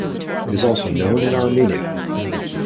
It is also known in Armenia.